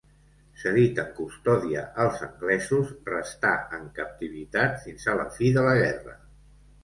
Cedit en custòdia als anglesos, restà en captivitat fins a la fi de la guerra.